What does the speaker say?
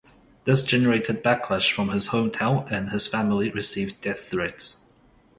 This generated backlash from his hometown and his family received death threats.